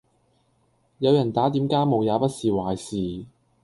有人打點家務也不是壞事